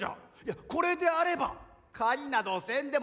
これであれば狩りなどせんでもよい。